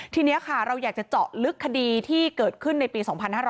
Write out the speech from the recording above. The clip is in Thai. ทีนี้ค่ะเราอยากจะเจาะลึกคดีที่เกิดขึ้นในปี๒๕๕๙